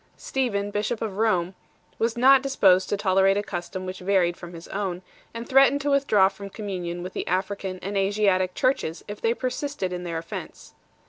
Stephen, bishop of Rome, was not dis posed to tolerate a custom which varied from his own, and threatened to withdraw from communion with the African and Asiatic Churches if they persisted in their offence.